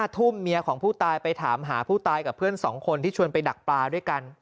ทุ่มเมียของผู้ตายไปถามหาผู้ตายกับเพื่อน๒คนที่ชวนไปดักปลาด้วยกัน